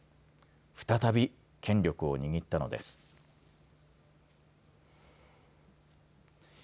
再び権力を握ったのです。